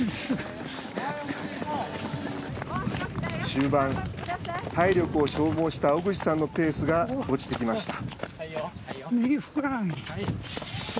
終盤、体力を消耗した小口さんのペースが落ちてきました。